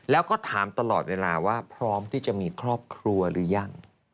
แล้วก็ถามตลอดเวลาว่าพร้อมที่จะมีครอบครัวหรือยัง